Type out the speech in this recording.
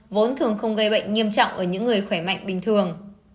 vốn thường không gây bệnh nghiêm trọng ở những người khỏe mạnh bình thường